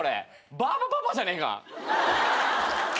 バーバパパじゃねえか。